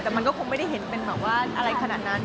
แต่มันก็คงไม่ได้เห็นเป็นแบบว่าอะไรขนาดนั้น